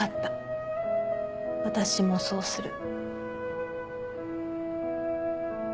私もそうする。